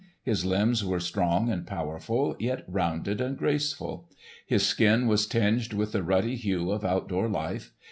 His limbs were strong and powerful, yet rounded and graceful. His skin was tinged with the ruddy hue of outdoor life.